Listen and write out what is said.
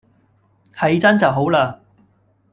係真就好喇